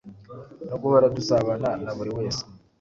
no guhora dusabana naburi wese